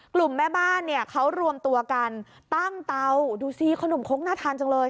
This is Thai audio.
กลุ่มแม่บ้านเขารวมตัวกันตั้งเตาดูสิขนมครกหน้าทานจังเลย